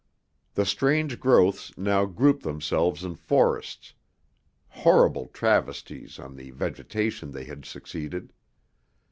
The strange growths now grouped themselves in forests, horrible travesties on the vegetation they had succeeded.